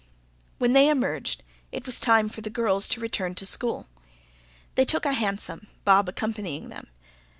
When they emerged, it was time for the girls to return to school. They took a hansom, Bob accompanying them.